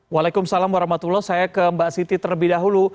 waalaikumsalam warahmatullahi wabarakatuh saya ke mbak siti terlebih dahulu